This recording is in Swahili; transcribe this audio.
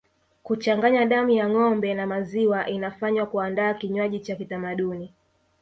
Kuchanganya damu ya ngombe na maziwa inafanywa kuandaa kinywaji cha kitamaduni